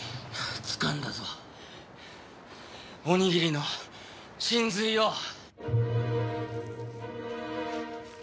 つかんだぞおにぎりの神髄を！